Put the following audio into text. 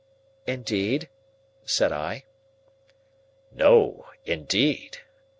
"Indeed?" said I. "No, indeed. Mr.